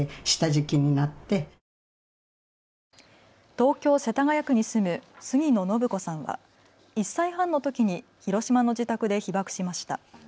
東京世田谷区に住む杉野信子さん１歳半のときに広島の自宅で被爆しました。